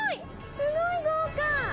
すごい豪華。